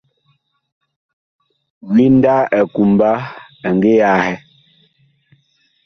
Winda ɛ kumba ɛ ngi ahɛ .